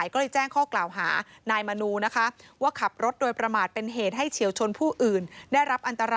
เขาบอกกับราคาร